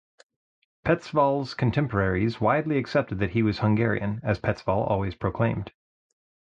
Petzvals contemporaries widely accepted that he was Hungarian, as Petzval always proclaimed.